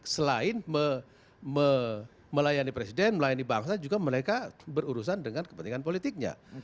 selain melayani presiden melayani bangsa juga mereka berurusan dengan kepentingan politiknya